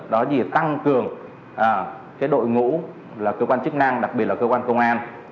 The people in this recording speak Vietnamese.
đó thì tăng cường cái đội ngũ là cơ quan chức năng đặc biệt là cơ quan công an